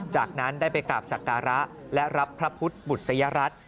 จากนั้นได้ไปกราบสักการะและรับพระพุทธบุษยรัฐ